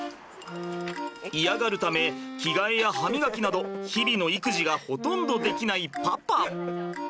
嫌がるため着替えや歯磨きなど日々の育児がほとんどできないパパ。